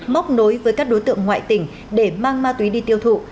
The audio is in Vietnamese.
móc nối với các đối tượng ngoại tỉnh để mang ma túy đi tiêu thụ